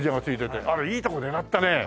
あれいいとこ狙ったね。